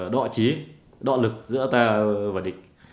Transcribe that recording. đọa chí đọa lực giữa ta và địch